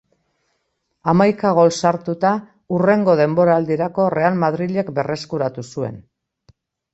Hamaika gol sartuta, hurrengo denboraldirako Real Madrilek berreskuratu zuen.